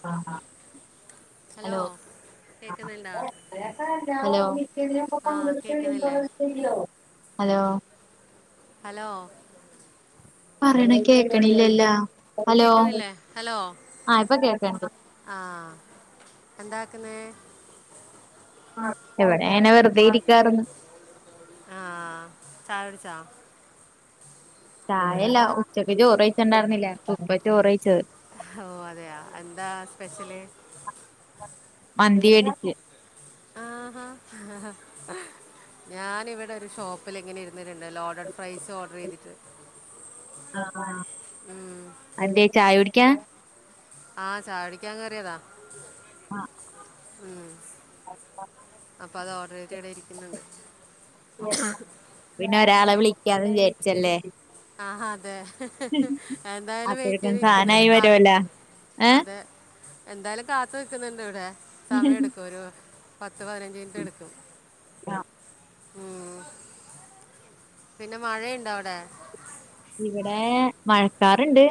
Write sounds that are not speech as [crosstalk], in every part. ആഹ് ആഹ് ഹലോ കേക്ക്ന്ന്ണ്ടോ? ഹലോ കേൾക്കുന്നില്ലേ ഹലോ ഹലോ പറിണെ കേക്ക്ണില്ലല്ലോ? ഹലോ കേൾക്കുന്നില്ലേ ആഹ് ഇപ്പ കേക്ക്ണ്ട് ആഹ് എന്താക്ക്ന്നേ? ഇവടെ ഇങ്ങനെ വെറ്തെ ഇരിക്കാ [unintelligible] ആഹ് ചായ കുടിച്ചോ? ചായല്ല ഉച്ചക്ക് ചോറ് കഴിച്ച്ണ്ടായിര്ന്നില്ല പ്പം ഇപ്പം ചോറ്യ്ച്ച് ഓഹ് അതെയാ എന്താ സ്പെഷ്യല്? മന്തി വേടിച്ച് ആഹ് അഹ് ഞാനിവടെ ഒരു ഷോപ്പ്ല് ഇങ്ങനെ ഇരുന്നിട്ട്ണ്ട് ലോഡർ ഫ്രൈസ് ഓഡർ ചെയ്തിട്ട്ണ്ട് ഉം. ആഹ് [unintelligible] ചായ കുടിക്കാൻ ആഹ് ചായകുടിക്കാൻ കേറിയതാ ആഹ് ഉം അപ്പ അത് ഓഡറ് ചെയ്ത് ഇവ്ടെ ഇരിക്ക്ന്നൊണ്ട്. പിന്നെ ഒരാളെ വിളിക്കാന്ന് വിചാരിച്ചല്ലേ? ആഹ് അതെ എന്തായാലും വെയിറ്റ് അപ്പോഴേക്കും ചെയ്ത് ഇരിക്ക്ന്ന്ണ്ട് സാധനായി വരുവല്ലോ കാത്തിക്ക്ന്ന്ണ്ട് ഏ അതെ എന്തായാലും കാത്തു നിക്ക്ന്ന്ണ്ട് ഇവ്ടെ സമയം എട്ക്കും ഒരു പത്ത് പതിനഞ്ച് മിനിറ്റ് എട്ക്കും. ആഹ് പിന്നെ മഴയൊണ്ടോ അവ്ടെ? ഇവ്ടെ മഴക്കാറ്ണ്ട്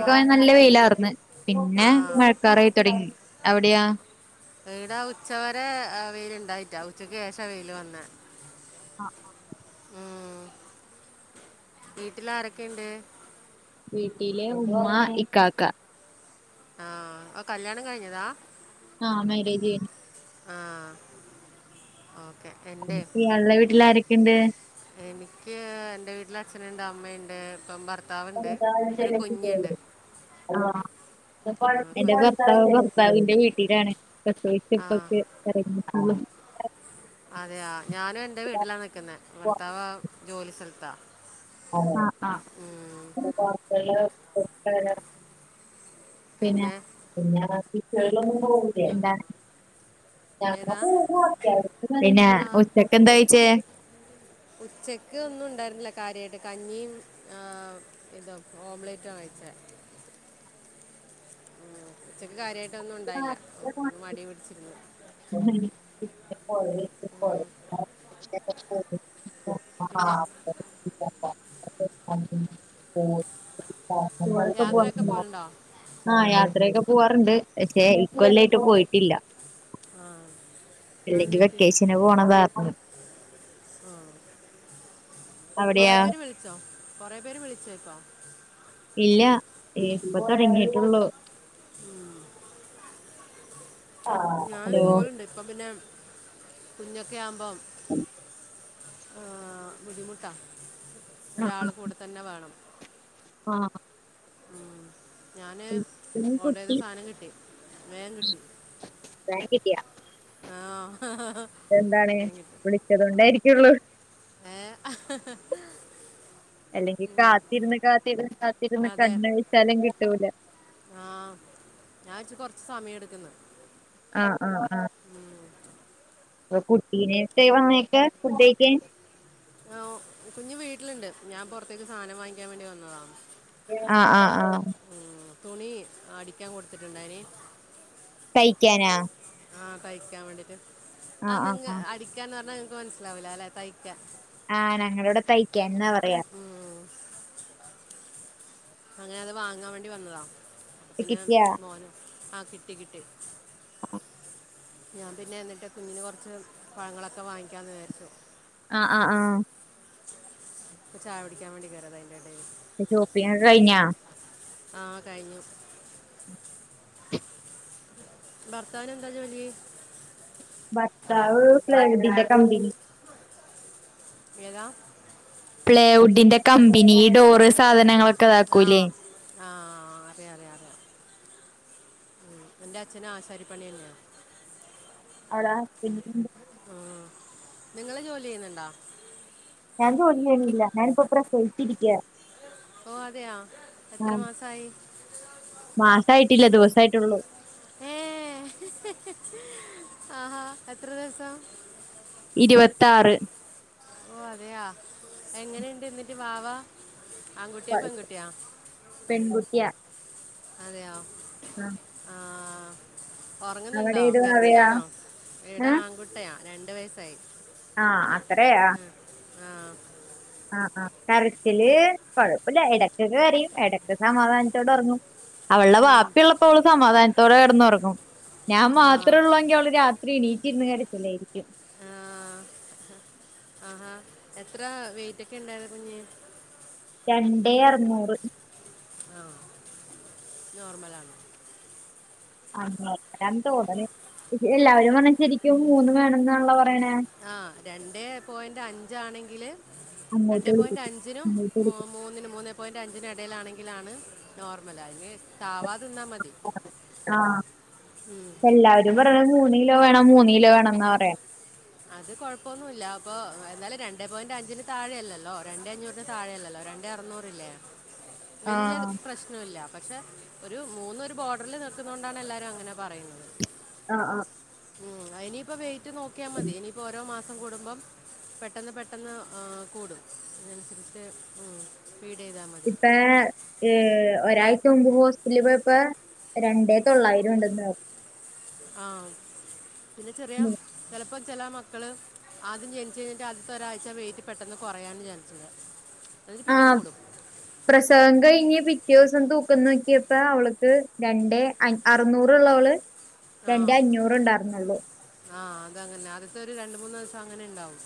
ആ നല്ല വെയിലാർന്ന് പിന്നെ ആ മഴക്കാറായി തൊടങ്ങി അവ്ടെയാ? ഇവ്ടെ ഉച്ചവരെ വെയില്ണ്ടായിറ്റാ ഉച്ചക്ക് ശേഷാ വെയില് വന്നെ ആഹ് ആഹ് ഉം വീട്ടിലാരൊക്കെയ്ണ്ട്? വീട്ടില് ഉമ്മ ഇക്കാക്ക. ആഹ് കല്ല്യാണം കഴിഞ്ഞതാ? ആഹ് മാര്യേജ് കഴിഞ്ഞു. ആഹ് ഓക്കെ ട്ടെൻ ഇയാൾടെ വീട്ടില് ആരൊക്കെയ്ണ്ട്? എനിക്ക് എന്റെ വീട്ടില് അച്ഛനൊണ്ട് അമ്മയൊണ്ട് ഇപ്പം ഭർ [inaudible] ആ, എന്റെ കുഞ്ഞ് ഭർത്താവ് കുഞ്ഞ് ഭർത്താവിന്റെ വീട്ടിലാണ് ആ [unintelligible] [unintelligible] അതെയ ഞാനും എന്റെ വീട്ടിലാണ് നിൽക്കുന്നെ ഭർത്താവ് ജോലി സ്ഥലത്താ ആഹ് ആഹ് ഉം. [unintelligible] പിന്നെ [unintelligible] എന്താണ് ഏതാ [unintelligible] പിന്നെ ആ ഉച്ചക്ക്‌ എന്താ കയിച്ചേ ഉച്ചക്ക് ഒന്നും ഉണ്ടായിരുന്നില്ല കാര്യായിട്ട് കഞ്ഞിയും ആഹ് ഇതും ഓംലെറ്റ കയിച്ചേ ഉച്ചക്ക് കാര്യമായിട്ടൊന്നും ഉണ്ടായില്ല മടി പിടിച്ച് [inaudible] ആ [unintelligible] ഉം. [unintelligible] പിന്നെ യാത്രയൊക്കെ പോലുണ്ടോ ആഹ് യാത്രയൊക്കെ പോവാറുണ്ട് പക്ഷേ ഇക്കൊല്ല ആയിട്ട് പോയിട്ടില്ല ആഹ് അല്ലെങ്കിൽ വെക്കേഷന് പോണതാർന്നു ആഹ് കൊറെ അവിടെയാ പേര് വിളി വിളിച്ചോ കുറേ പേര് വിളിച്ചേ ഇപ്പോ ഇല്ല ഇപ്പ തുടങ്ങിട്ടുള്ളൂ ഉം ഞാൻ ഹലോ പോലുണ്ട് ഇപ്പ പിന്നെ കുഞ്ഞൊക്കെ ആകുമ്പം ആഹ് ബുദ്ധിമുട്ടാ ഒരാള് കൂടെ തന്നെ വേണം ആഹ് ഞാന് ആഹ് ഓർഡർ ചെയ്ത കുട്ടി സാധനം കിട്ടി വേഗം കിട്ടി വേഗം കിട്ടിയ ആഹ് എന്താണ് വിളിച്ചത് കൊണ്ടായിരിക്കുള്ളൂ ഏഹ് അല്ലെങ്കി കാത്തിരുന്ന് കാത്തിരുന്ന് കാത്തിരുന്ന് കണ്ണഴിച്ചാലും കിട്ടൂല ആഹ് ഞാൻ വച്ച് കൊറച്ച് സമയം എടുക്കൂന്നു ആഹ് ആഹ് ആഹ് കുട്ടിനായിട്ട് വന്നാക്കാ ഫുഡ്‌ കയിക്കാൻ കുഞ്ഞ് വീട്ടിലുണ്ട് ഞാൻ പുറത്തേക്ക് സാധനം വാങ്ങിക്കാൻ വേണ്ടി വന്നതാ ആഹ് ആഹ് ആഹ് ഉം തുണി അടിക്കാൻ കൊടുത്തിട്ടുണ്ടായിന് തയിക്കാനാ ആഹ് തയ്ക്കാൻ വേണ്ടീട്ട് ആ ആഹ് ആഹ് നിങ്ങ ആഹ് അടിക്കാന്ന് പറഞ്ഞാ നിങ്ങക്ക് മനസ്സിലാവില്ല അല്ലെ തയ്ക്കാ ആഹ് ഞങ്ങളവിടെ തയ്ക്കാൻ എന്നാ പറയാ ഉം. അങ്ങനെ അത് വാങ്ങാൻ വേണ്ടി വന്നതാ പിന്നെ കിട്ടിയാ മോന ആഹ് കിട്ടി കിട്ടി ഞാൻ പിന്നെ എന്നിട്ട് കുഞ്ഞിന് കുറച്ച് പഴങ്ങളൊക്കെ വാങ്ങിക്കാമന്ന് വിചാരിച്ചു ആഹ് ആഹ് ആഹ് ഇപ്പ ചായ കുടിക്കാൻ വേണ്ടി കറിയത അതിന്റെടയില് ഷോപ്പിങൊക്കെ കഴിഞ്ഞ ആഹ് കഴിഞ്ഞു ഭർത്താവിന് എന്താ ജോലി ഭർത്താവ് പ്ലേയൂറ്റിന്റെ കമ്പനി ഏതാ പ്ലേവുഡിന്റെ കമ്പനി ഡോറ് സാധനങ്ങ- ആഹ് ആഹ് അതെ അറിയാം അറിയാം. എന്റെ അച്ഛന് ആശാരിപ്പണി ആയിരുന്നെ. [unintelligible] ആഹ് നിങ്ങള് ജോലിചെയ്യുന്ന്ണ്ടാ? ഞാൻ ജോലി ചെയ്യ്ണില്ല. ഞാനിപ്പൊ പ്രെസവിച്ച് ഇരിക്കാ. ഓഹ് അതെയാ എത്ര മാസായി? മാസായിട്ടില്ല. ദിവസായിട്ടൊള്ളു. ഏഹ് ആഹാ എത്ര ദിവസം? ഇര്‌വത്താറ്. ഓഹ് അതെയാ എങ്ങനെയ്ണ്ട്ന്ന്ട്ട് വാവ? ആൺകുട്ട്യാ, പെൺകുട്ട്യാ? പെൺകുട്ട്യാ. അതെയോ? ആഹ്. അവിടെ ഒറങ്ങ്ന്ന്ണ്ടോ, ഏത് ഭാഗയാ കരച്ചിലാണോ? ഈട ഏഹ് ആൺകുട്ട്യാ രണ്ട് വയസ്സായി. ആഹ്. ആത്രെ യാ? ആ ആ ആഹ് ആഹ് കരച്ചില് കൊഴപ്പല്ല എടയ്ക്ക് ഒക്കെ കരയും എടയ്ക്ക്‌ സമാധാനത്തോടെ ഒറങ്ങും. അവൾടെ ഉം. വാപ്പി ഉള്ളപ്പോ അവള് സമാധാനത്തോടെ കടന്ന് ഒറങ്ങും. ഞാൻ ആ മാത്രേ ഒള്ളു എങ്കില് അവള് രാ- ത്രി എണീറ്റ് ഇര്ന്ന്കാണ്ട് ഇക്കലായിരിക്കും. ആഹ് എത്രാ വെയിറ്റൊക്കേ ഉണ്ടായിരുന്ന് കുഞ്ഞ്? രണ്ടേ അർന്നൂറ്. ആഹ് നോർമലാണ്. ആഹ് ആഹ് രണ്ട് മുതല് എല്ലാ വരും പറഞ്ഞെ ശെരിക്കും മൂന്ന് വേണം എന്നാണല്ലോ പറയ്ണെ. ആഹ് രണ്ടേ പോയന്റ് അഞ്ചാണെങ്കില് അങ്ങോട്ട് രണ്ടേ വിളിക്കും പോയന്റ് അഞ്ചിനും ഇങ്ങോട്ട് മൂ മൂന്നിനും മൂന്നേ പോയന്റ് അഞ്ചിനും എടയില് ആണെങ്കിലാണ് നോർമൽ അയിന് താവാതെ നിന്നാൽ മതി. ആഹ് ഉം. എല്ലാവരും പറയ്ണെ മൂന്ന് കിലോ വേണം മൂന്ന് കിലോ വേണം എന്നാ പറയ- അത് കൊഴപ്പൊന്നൂല്ല. അപ്പൊ എന്നാലും രണ്ടേ പോയന്റ് അഞ്ചിന് താഴെ അല്ലല്ലോ രണ്ടേ അഞ്ഞൂറിന് താഴെ അല്ലല്ലോ ര- ണ്ടേ അറ്ന്നൂറില്ലെ വെല്ല്യേ ആഹ് പ്രെശ് - ന്നൂല്ല. പക്ഷെ ഒരു മൂന്ന് ഒരു ബോർഡറിൽ നിൽക്ക്‌ന്നോണ്ടാണ് എല്ലാവരും അങ്ങനെ പറയ്ന്നത്. ആഹ് ആഹ്. ഉം അത് ഇനീ ഇപ്പൊ വെയിറ്റ് നോക്ക്യാ മ ഇനിയിപ്പോ ഓരോ മാസം കൂടുമ്പം പെട്ടെന്ന് പെട്ടെന്ന് ആഹ് കൂടും. അതിനനുസരിച്ച് ഉം ഫീഡെയ്താ മ ഇപ്പഴേ ഏഹ് ഒരാഴ്ച മുമ്പ് ഹോസ്പിറ്റലിൽ പോയപ്പോ രണ്ടേ തൊള്ളായിരം ഉണ്ടെന്ന് പറ ആഹ് പിന്നെ ചെറിയ പറഞ്ഞു ചെലപ്പൊ ചെല മക്കള് ആദ്യം ജനിച്ച് കഴിഞ്ഞ്ട്ട് ആദ്യത്തെ ഒരാഴ്ച വെയിറ്റ് പെട്ടെന്ന് കൊറയാനും ചാൻസ്ണ്ട്. എന്ന്ട്ട് പിന്നെ ആഹ് കൂടും. പ്രസവം കഴിഞ്ഞ് പിറ്റേ ദിവസം തൂക്കം നോക്കിയപ്പോ അവള്ക്ക് രണ്ടേ അ അറുന്നൂറ് ഉള്ള ഓള് രണ്ടേ അഞ്ഞൂറ് ഉണ്ടായി രുന്നൊള്ളു. ആഹ് അതങ്ങനെ അദ്യത്തെ ഒര് രണ്ട് മൂന്ന് ദിവസം അങ്ങനെ ഉണ്ടാവും.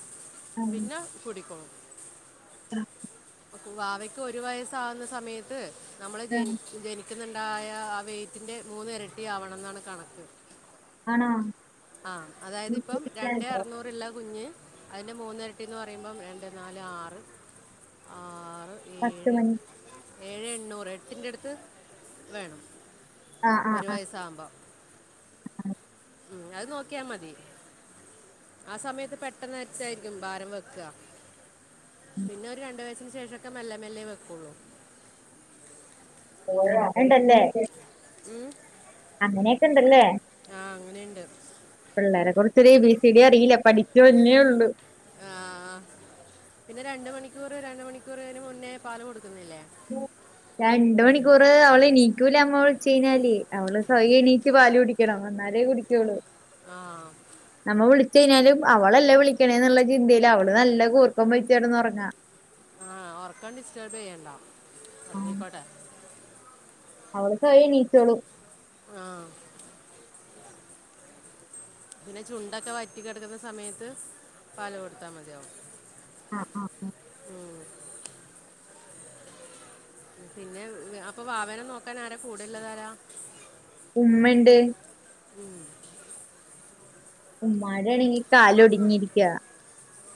പിന്നെ ആ, കുടിക്കോളും [unintelligible] ഓക്കെ വാവയ്ക്ക് ഒരു വയസ് ആവുന്ന സമയത്ത് നമ്മള് ആ. ജനി ജനി ക്ക്‌ന്ന്ണ്ടായ ആ വെയിറ്റിന്റെ മൂന്ന് ഇരട്ടി ആവണം എന്നാണ് കണക്ക്. ആണോ ആഹ് അതായത് ഇപ്പം രണ്ടേ അറന്നൂ- ഇപ്പ ഉള്ള കുഞ്ഞ് അതിന്റെ മൂന്ന് ഇരട്ടീന്ന് പറയുമ്പം രണ്ട്, നാല്, ആറ് ആറ് പത്ത് ഏഴ് മണി ഏഴേ എണ്ണൂറ് എട്ടിൻ്റെ അടുത്ത് വേണം. ആഹ് ആഹ് ഒരു വയസ്സ് ആവുമ്പം ഉം അത് നോക്കിയാ മതി ആ സമയത്ത് പെട്ടെന്ന് അരിച്ചായിരിക്കും ഭാരം വെക്കാ പിന്നെ ഒരു രണ്ടു വയസ്സിന് ശേഷം ഒക്കെ മെല്ലെ മെല്ലേ വെക്കൊള്ളൂ അങ്ങനെ ഇണ്ടല്ലേ ഉം അങ്ങനെ ഒക്കെ ഇണ്ടല്ലേ ആഹ് അങ്ങനെയുണ്ട് പിള്ളേരെ കുറിച്ച് ഒരു എ ബി സി ഡി അറിയില്ല പഠിച്ചു വരുന്നേ ഉള്ളു ആഹ് പിന്നെ രണ്ട് മണിക്കൂറ് രണ്ട് മണിക്കൂർ അതിന് മുന്നേ പാല് കൊട്ക്കുന്നില്ലേ [inaudible] രണ്ട് മണിക്കൂറ് അവള് എനീക്കൂല അമ്മവിളിച്ച് കയിഞ്ഞാല് അവള് സ്വയം എണീറ്റ് പാല് കുടിക്കണം. ഇന്നാലേ കുടിക്ക്യൊള്ളൂ. ആഹ്. നമ്മ വിളിച്ചഴിഞ്ഞാലും അവളല്ല വിളിക്കണേന്നുള്ള ചിന്തയില് അവള് നല്ല കൂർക്കം വലിച്ചടന്ന് ഒറങ്ങാ. ആഹ് ഒറക്കം ഡിസ്റ്റേർബ്യ്യണ്ട ഒർങ്ങിക്കോട്ടെ. അവള് സ്വയം എനീറ്റോളും. ആഹ്. പിന്നെ ചുണ്ടൊക്കെ വറ്റി കെടക്കുന്ന സമയത്ത് പാല് കൊടുത്താ മതിയാവും. ആഹ് ആഹ് ഉം. ഉം. പിന്നെ അപ്പം വാവനെ നോക്കാനാരാ കൂടെള്ളതാരാ. ഉമ്മണ്ട്. ഉമ്മാടെ ആണെങ്കി കാല് ഒടിഞ്ഞിരിക്കാ.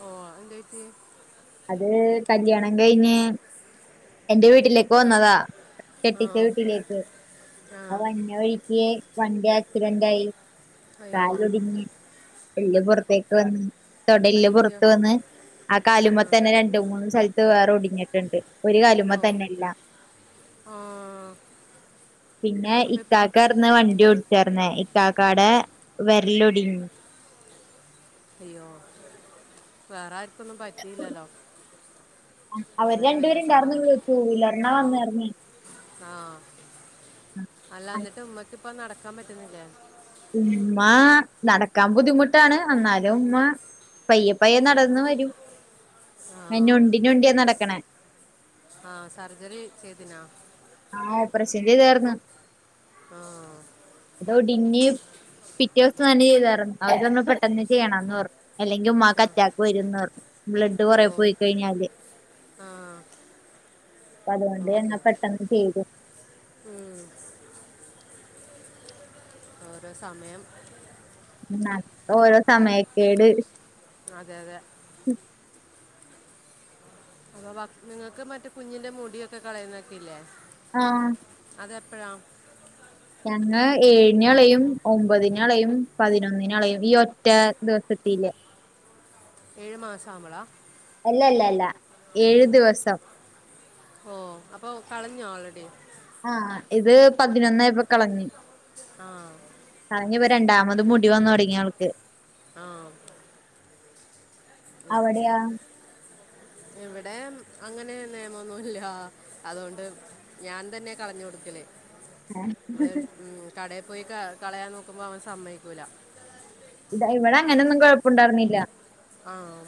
ഓഹ് എന്ത പറ്റിയെ. അത് കല്യാണം കയ്ഞ്ഞ് എന്റെ വീട്ടിലേക്ക് വന്നതാ. ആ കെട്ടിച്ച വീട്ടിലേക്ക് ആ അ വര്ന്ന വഴി. യേ വണ്ടി ആക്സിഡന്റായി അയ്യോ കാലൊടിഞ്ഞ്. എല്ല് പൊറത്തേക്ക് വന്ന് തൊടല്ല് അയ്യോ പുറത്ത് വന്ന് ആ കാലുമ്മ. തന്നെ രണ്ട് മൂന്ന് സ്ഥലത്ത് വേറെ ഒടിഞ്ഞിട്ട്ണ്ട് ഒരു കാല്മ്മതന്നെ എല്ലാ. ആഹ്. പിന്നെ ഇക്കാക്കാർന്ന് വണ്ടി ഓടിച്ചാര്ന്നേ ഇക്കാക്കാടെ വെര്ലൊടിഞ്ഞ്. അയ്യോ വേറെ ആർക്കൊന്നും പറ്റിയില്ലല്ലോ. അവര് ഇവനെ വലിയ രണ്ട്പേര്ണ്ടായിരുന്നുള്ളു റ്റൂവീലർന്നാ വന്നെയ്ർന്നെ. ആഹ് അല്ല ഇന്നട്ട് ഉമ്മക്കിപ്പം നടക്കാം പറ്റുന്നില്ലേ. ഉമ്മാ നടക്കാം ബുദ്ധിമുട്ടാണ് എന്നാലും ഉമ്മ. പയ്യെപ്പയ്യെ നടന്ന വരൂം ഞൊണ്ടി ഞൊണ്ടിയാ നടക്ക്ണെ. ആഹ് സർജറി ചെയ്തിനൊ. ആഹ് ഓപർഷൻ ചൈതായ്ര്ന്നു ആ ഇതൊടിഞ്ഞ്. പിറ്റേസം തന്നെ ചെയ്തായ്രുന്നു അവര് പറഞ്ഞു പെട്ടന്ന് ചെയ്യണംന്ന് പറഞ്ഞു അല്ലെങ്കി ഉമ്മാക്ക് ആ അറ്റാക്ക് വരുംന്ന് പറഞ്ഞു. ബ്ലഡ് ഓ കുറേ പോയി കഴിഞ്ഞാല്. ആ അപ്പ അത്കൊണ്ട് ഓക്കെ തന്നെ ഓക്കെ പെട്ടെന്ന് ചെയ്തു. ഉം. ഒരോ സമയം. ഇന്നാ ഓരോ സമയക്കേട്. അതെ അതെ. ഉം. അവവ നിങ്ങക്ക് മറ്റു കുഞ്ഞിന്റെ മുടിയൊക്കെ കളയുന്നൊക്കെ ഇല്ലേ. ആഹ്. അതെപ്പഴാ. ഞങ്ങ ഏഴിന് കളയും ഒമ്പതിനളയും പതിനൊന്നിനളയും ഈ ഒറ്റ ദിവസത്തിലെ. ഏഴ്‌ മാസം ആകുമ്പളാ. അല്ലല്ലല്ല ഏഴു ദിവസം. ഓഹ് അപ്പൊ കളഞ്ഞോ ഓൾറെഡി. ആഹ് ഇത് പതിനൊന്നായപ്പൊ കളഞ്ഞ്. ആഹ്. കളഞ്ഞിപ്പൊ രണ്ടാമതും മുടി വന്നു തൊടങ്ങി ആൾക്ക്. ആഹ് അവിടെയാ? ഇവിടെ അങ്ങനെ നിയമൊന്നുല്ല അതോ ണ്ട് ഞാൻ തന്നെ കളഞ്ഞു കൊടുക്കല് നമ്മള് ഉം കടേ പോയി ക കളയാൻ നോക്കുമ്പോ അവൻ സമ്മയിക്കൂല ഇതാ ഇവിടെ അങ്ങനൊന്നും കുഴപ്പു ണ്ടാർ ന്നില്ല ആണോ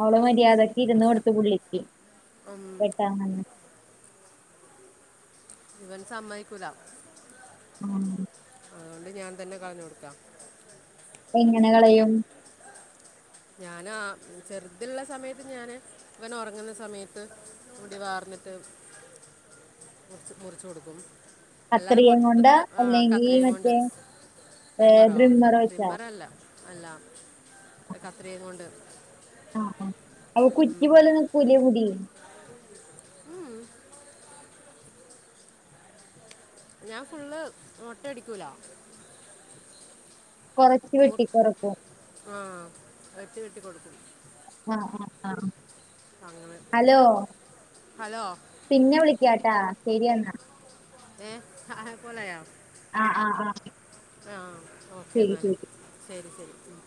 അവള് മര്യാദക്ക് ഇരുന്ന് കൊടുത്ത് പുള്ളിക്ക് ഉം, വെട്ടാൻ വന്നാ ഇവൻ സമ്മതിക്കൂല ഉം അതോണ്ട് ഞാൻ തന്നെ കളഞ്ഞോട്ക്കാ എങ്ങനെ കളയും? ഞാനാ ചെർതിള്ള സമയത്ത് ഞാന് ഇവൻ ഒറങ്ങുന്ന സമയത്ത് മുടി വാർന്നിട്ട് കൊറച്ച് മുറിച്ചോടുക്കും അല്ലാതെ കത്രികയും കൊണ്ടോ മൊത്തത്തില് ആഹ് അല്ലെങ്കി കത്രികേം കൊണ്ട് മറ്റേ ഏഹ് ട്രിമ്മറോ ട്രിമ്മർ വെച്ചാ ട്രിമ്മറല്ല അല്ല കത്രികേം കൊണ്ട് ആഹ് ആഹ് അപ്പൊ കുറ്റി പോലെ നിക്കുലെ മുടി ഞാൻ ഫുള്ള് മൊട്ടയടിക്കൂല കൊറച്ച് വെട്ടികൊറക്കും ആഹ് കൊറച്ച് വെട്ടി കൊടുക്കും ആഹ ആഹ് അങ്ങനെ അലോ ഹലോ പിന്നെ വിളിക്കാട്ടാ ശെരിയെന്നാ ഏഹ് ഹാ പോലായോ ആഹ് ആഹ് ആഹ് ആഹ് ഓക്കെ ശരി ന്നാല് ശരി ശെരി ശെരി